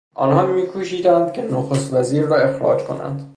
آنها میکوشند که نخستوزیر را اخراج کنند.